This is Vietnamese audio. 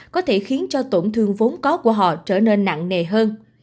có thể khiến cho tổn thương vốn có của họ trở nên nặng nề hơn